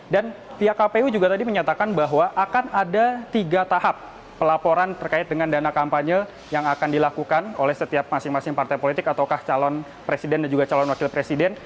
dan pihak kpu juga tadi menyatakan bahwa akan ada tiga tahap pelaporan terkait dengan dana kampanye yang akan dilakukan oleh setiap masing masing partai politik ataukah calon presiden dan juga calon wakil presiden